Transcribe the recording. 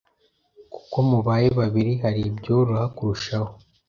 kuko mubaye babiri hari ibyoroha kurushaho.